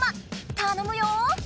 たのむよ！